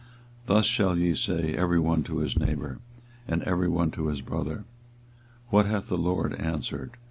24:023:035 Thus shall ye say every one to his neighbour, and every one to his brother, What hath the LORD answered?